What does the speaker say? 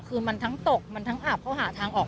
คือมันทั้งตกมันทั้งอาบเขาหาทางออก